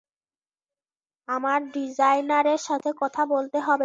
আমার ডিজাইনারের সাথে কথা বলতে হবে।